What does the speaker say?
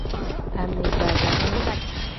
Ame bada wa.